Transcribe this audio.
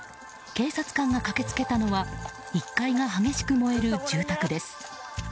警察官が駆け付けたのは１階が激しく燃える住宅です。